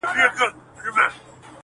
o په دغسي شېبو كي عام اوخاص اړوي سـترگي.